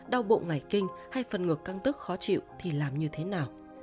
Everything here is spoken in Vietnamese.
đau bụng ngải kinh hay phần ngược căng tức khó chịu thì làm như thế nào